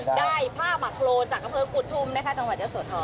ได้ภาพมาโครงจากกระเฟิงกุฏทุ่มนะคะจังหวัดเยอะโสธร